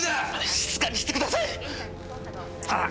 静かにしてください！